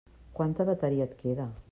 Quanta bateria et queda?